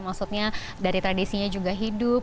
maksudnya dari tradisinya juga hidup